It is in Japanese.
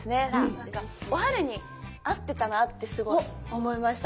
なんかおはるに合ってたなってすごい思いました。